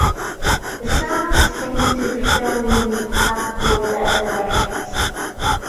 The sound is synched to the film using a clapperboard as a reference.